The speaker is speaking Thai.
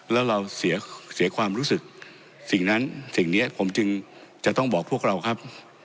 แล้วเราเสียความรู้สึกสิ่งนั้นสิ่งนี้ผมจึงจะต้องบอกพวกเราครับ